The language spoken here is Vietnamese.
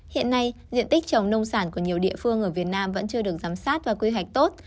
hiện nay diện tích trồng nông sản của nhiều địa phương ở việt nam vẫn chưa được giám sát và quy hoạch tốt